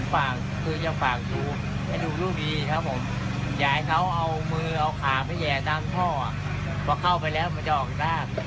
พอเข้าไปแล้วมันจะออกตาม